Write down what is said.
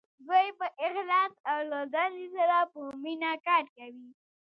دوی په اخلاص او له دندې سره په مینه کار کوي.